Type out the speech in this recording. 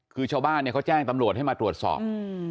คือชาวบ้านเนี่ยเขาแจ้งตำรวจให้มาตรวจสอบ